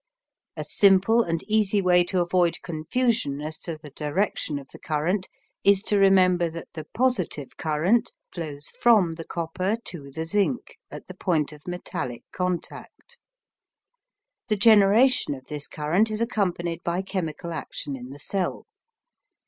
"A simple and easy way to avoid confusion as to the direction of the current, is to remember that the POSITIVE current flows FROM the COPPER TO the ZINC at the point of METALLIC contact." The generation of this current is accompanied by chemical action in the cell.